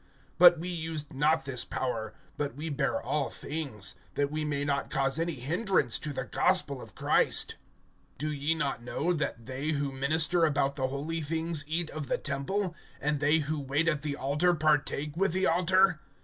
But we used not this power; but we bear all things, that we may not cause any hindrance to the gospel of Christ. (13)Do ye not know that they who minister about the holy things eat of the temple, and they who wait at the altar partake with the altar?